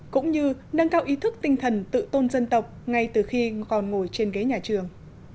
cũng như nâng cao ý thức tinh thần tự tôn dân tộc ngay từ khi còn ngồi trên ghế nhà trường